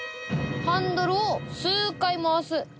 ハンドルを数回回す。